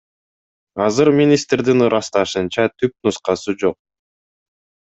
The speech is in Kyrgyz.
Азыр министрдин ырасташынча, түп нускасы жок.